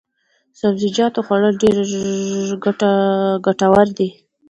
د سبزیجاتو خوړل ډېر ګټور دي.